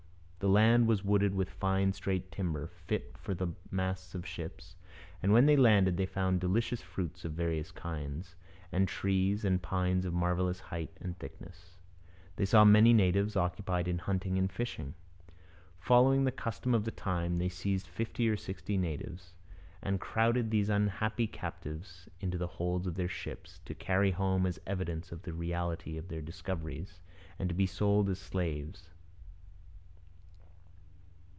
The land was wooded with fine straight timber, fit for the masts of ships, and 'when they landed they found delicious fruits of various kinds, and trees and pines of marvellous height and thickness.' They saw many natives, occupied in hunting and fishing. Following the custom of the time, they seized fifty or sixty natives, and crowded these unhappy captives into the holds of their ships, to carry home as evidence of the reality of their discoveries, and to be sold as slaves.